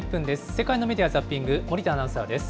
世界のメディア・ザッピング、森田アナウンサーです。